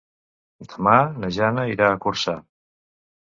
Demà na Jana irà a Corçà.